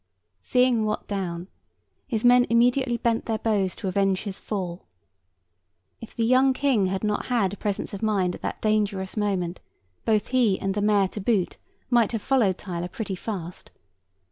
Seeing Wat down, his men immediately bent their bows to avenge his fall. If the young King had not had presence of mind at that dangerous moment, both he and the Mayor to boot, might have followed Tyler pretty fast.